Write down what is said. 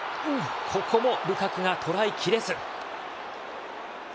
ここもルカクが捉えきれず。